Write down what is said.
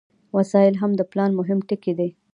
وسایل هم د پلان مهم ټکي دي.